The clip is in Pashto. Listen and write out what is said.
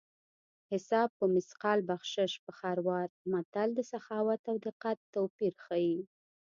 حساب په مثقال بخشش په خروار متل د سخاوت او دقت توپیر ښيي